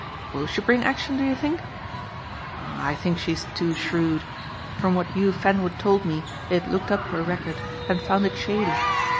"Will she bring action, do you think?" "I think she's too shrewd. From what Hugh Fanwood told me they had looked up her record and found it shady.